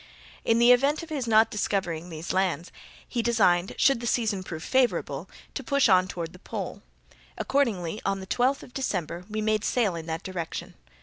In the event of his not discovering these lands, he designed, should the season prove favourable, to push on toward the pole. Accordingly, on the twelfth of December, we made sail in that direction.